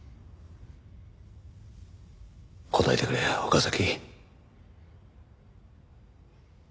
答えてくれ岡崎。